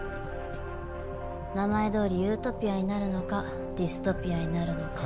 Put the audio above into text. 名前どおりユートピアになるのかディストピアになるのか。